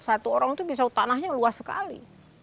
satu orang itu bisa tanahnya luas sekali